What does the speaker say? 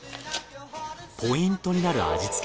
ポイントになる味付け。